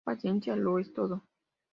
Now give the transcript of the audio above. Paciencia lo es todo".